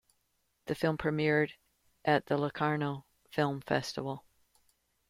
The film premiered at the Locarno Film Festival.